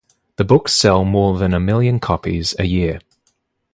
The books sell more than a million copies a year.